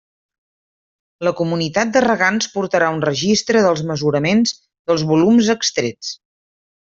La comunitat de regants portarà un registre dels mesuraments dels volums extrets.